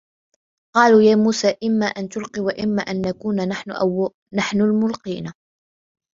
قالوا يا موسى إما أن تلقي وإما أن نكون نحن الملقين